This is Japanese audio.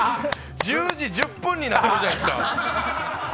１０時１０分になってるじゃないですか。